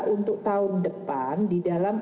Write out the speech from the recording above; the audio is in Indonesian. untuk tahun depan di dalam